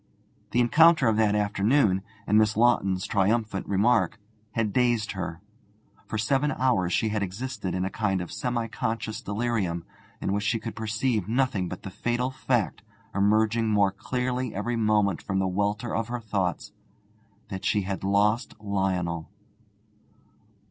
The encounter of that afternoon, and Miss Lawton's triumphant remark, had dazed her. For seven hours she had existed in a kind of semi conscious delirium, in which she could perceive nothing but the fatal fact, emerging more clearly every moment from the welter of her thoughts, that she had lost Lionel.